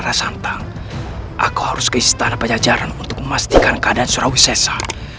kamu menghabisi raih prabu sravisesa